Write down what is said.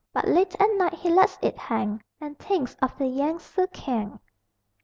But late at night he lets it hang And thinks of the Yang tse kiang.